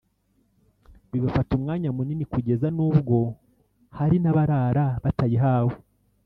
bibafata umwanya munini kugeza nubwo hari n’abarara batayihawe